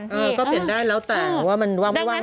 เออก็เปลี่ยนได้แล้วแต่ว่ามันว่างไม่ว่าง